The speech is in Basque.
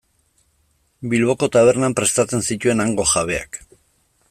Bilboko tabernan prestatzen zituen hango jabeak.